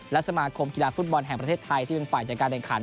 และสมาคมกีฬาฟุตบอลแห่งประเทศไทยที่เป็นฝ่ายจัดการแข่งขัน